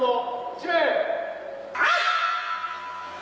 １名・はい！